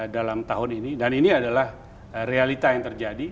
dan ini adalah realita yang terjadi